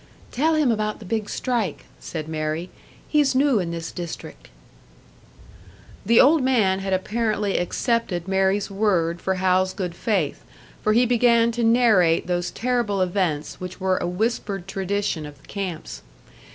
"Tell him about the big strike," said Mary. "He's new in this district." The old man had apparently accepted Mary's word for Hal's good faith, for he began to narrate those terrible events which were a whispered tradition of the camps.